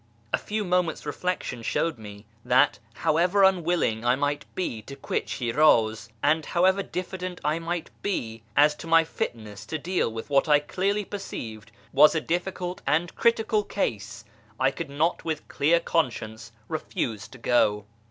A few moments' reflection showed me that, however unwilling I might be to quit Shiraz, and however diffident I might be as to my fitness to deal with what I clearly perceived was a difficult and critical case, I could not with a clear conscience refuse to go.